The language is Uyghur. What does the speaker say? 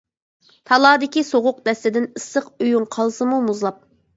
تالادىكى سوغۇق دەستىدىن، ئىسسىق ئۆيۈڭ قالسىمۇ مۇزلاپ.